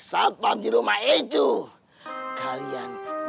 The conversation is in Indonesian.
sampai mana b toolkit ini